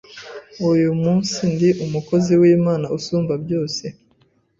uyu munsi ndi umukozi w’Imana isumba byose